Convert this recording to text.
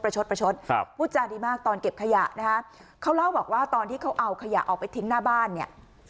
ประชดครับพูดจาดีมากตอนเก็บขยะนะคะเขาเล่าบอกว่าตอนที่เขาเอาขยะออกไปทิ้งหน้าบ้านเนี่ย